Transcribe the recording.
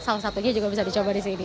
salah satunya juga bisa dicoba disini